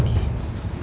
aku jadi sangat tertarik